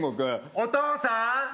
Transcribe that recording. お父さん